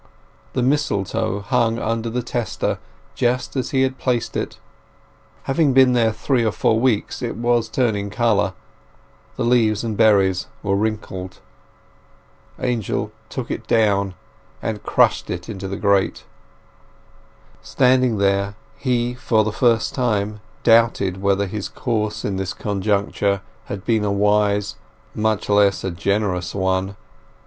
The mistletoe hung under the tester just as he had placed it. Having been there three or four weeks it was turning colour, and the leaves and berries were wrinkled. Angel took it down and crushed it into the grate. Standing there, he for the first time doubted whether his course in this conjecture had been a wise, much less a generous, one.